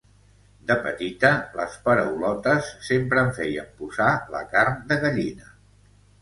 De petita, les paraulotes sempre em feien posar la carn de gallina.